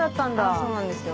そうなんですよ。